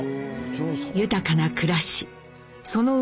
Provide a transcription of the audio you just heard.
豊かな暮らしその上